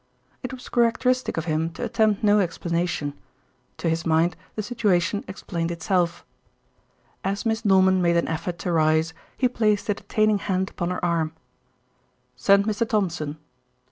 It was characteristic of him to attempt no explanation. To his mind the situation explained itself. As Miss Norman made an effort to rise, he placed a detaining hand upon her arm. "Send Mr. Thompson."